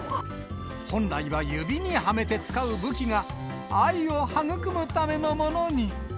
本来は指にはめて使う武器が、愛を育むためのものに。